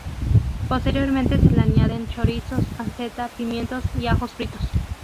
Posteriormente se le añaden chorizos, panceta, pimientos y ajos fritos.